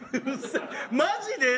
マジで？